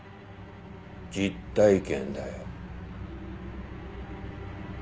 実体験だよ。